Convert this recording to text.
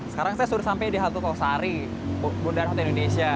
sekarang saya sudah sampai di halte tosari bundaran hotel indonesia